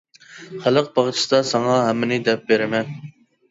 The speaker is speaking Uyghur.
خەلق باغچىسىدا، ساڭا ھەممىنى دەپ بېرىمەن.